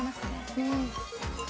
うん。